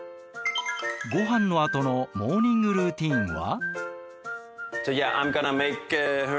ごはんのあとのモーニングルーティンは？